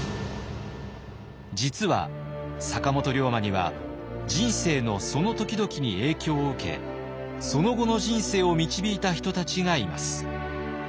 実は坂本龍馬には人生のその時々に影響を受けその後の人生を導いた人たちがいます。